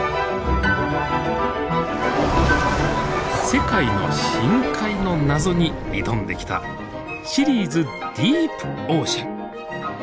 世界の深海の謎に挑んできた「シリーズディープオーシャン」。